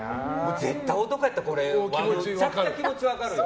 絶対、男やったらめちゃくちゃ気持ち分かる。